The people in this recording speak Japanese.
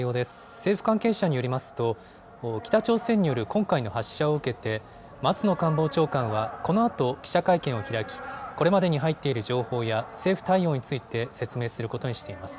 政府関係者によりますと北朝鮮による今回の発射を受けて松野官房長官はこのあと記者会見を開き、これまでに入っている情報や政府対応について説明することにしています。